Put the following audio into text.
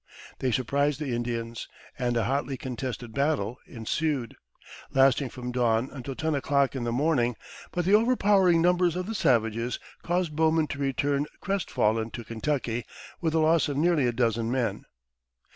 They surprised the Indians, and a hotly contested battle ensued, lasting from dawn until ten o'clock in the morning; but the overpowering numbers of the savages caused Bowman to return crestfallen to Kentucky with a loss of nearly a dozen men.